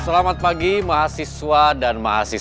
selamat pagi mahasiswa dan mahasiswa